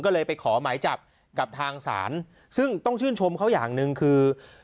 ก็เลยไปขอหมายจับกับทางศาลซึ่งต้องชื่นชมเขาอย่างหนึ่งคือ